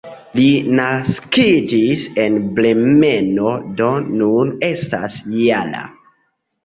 Li naskiĝis en Bremeno, do nun estas -jara.